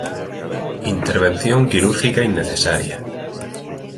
Intervención quirúrgica innecesaria.